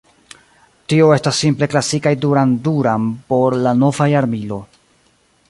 Tio estas simple "klasikaj Duran Duran por la nova jarmilo".